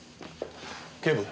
警部。